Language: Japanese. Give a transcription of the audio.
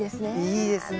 いいですね。